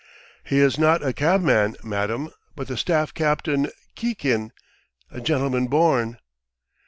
"He is not a cabman, madam, but the staff captain Kikin. ... A gentleman born."